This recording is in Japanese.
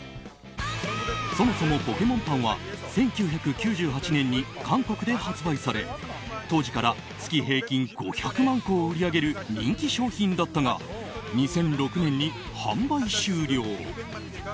そもそも、ポケモンパンは１９９８年に韓国で発売され当時から月平均５００万個を売り上げる人気商品だったが２００６年に販売終了。